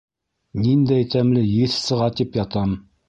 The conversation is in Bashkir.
Ниндәй тәмле еҫ сыға тип ятам.